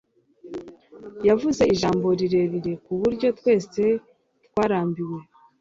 Yavuze ijambo rirerire kuburyo twese twarambiwe